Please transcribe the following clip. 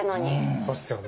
そうっすよね。